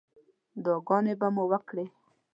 دعاګانې به مو وکړې.